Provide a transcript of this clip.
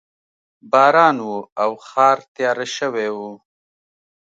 باران و او ښار تیاره شوی و